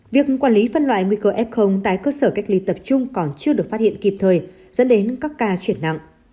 việc quản lý phân loại nguy cơ f tại cơ sở cách ly tập trung còn chưa được phát hiện kịp thời dẫn đến các ca chuyển nặng